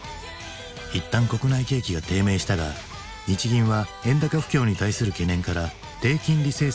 一旦国内景気が低迷したが日銀は円高不況に対する懸念から低金利政策を継続する。